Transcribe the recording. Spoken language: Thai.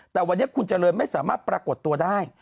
แต่วันนี้คุณเจริญไม่สามารถปรากฏตัวได้